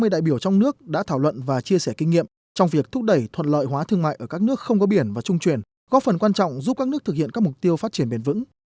ba mươi đại biểu trong nước đã thảo luận và chia sẻ kinh nghiệm trong việc thúc đẩy thuận lợi hóa thương mại ở các nước không có biển và trung chuyển góp phần quan trọng giúp các nước thực hiện các mục tiêu phát triển bền vững